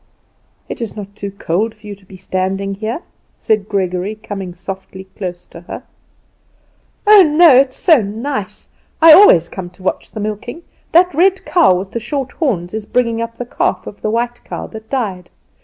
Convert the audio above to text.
"Is it not too cold for you to be standing here?" said Gregory, coming softly close to her. "Oh, no; it is so nice. I always come to watch the milking. That red cow with the short horns is bringing up the calf of the white cow that died.